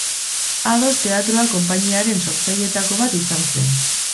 Ados Teatroa konpainiaren sortzaileetako bat izan zen.